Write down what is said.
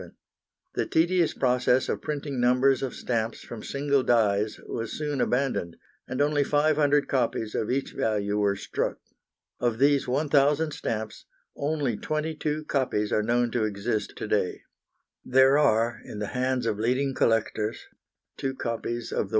The tedious process of printing numbers of stamps from single dies was soon abandoned, and only 500 copies of each value were struck. Of those 1,000 stamps only twenty two copies are known to exist to day. There are in the hands of leading collectors two copies of the 1d.